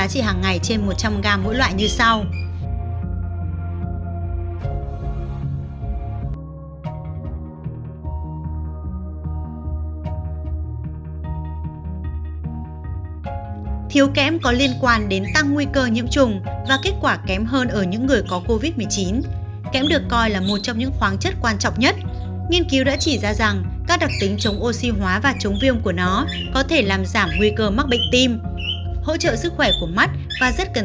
trong covid một mươi chín kém có thể làm giảm nguy cơ bị nhiễm trùng do vi khuẩn đồng thời làm giảm hoạt động của các thụ thể angiotensin ii là mục tiêu của sars cov hai